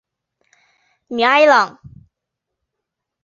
米埃朗。